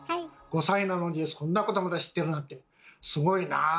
５歳なのにそんなことまで知ってるなんてすごいなあ！